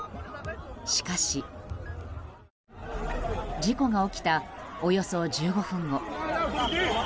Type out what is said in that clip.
しかし、事故が起きたおよそ１５分後。